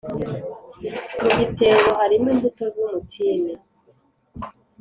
mu gitebo harimo imbuto z umutini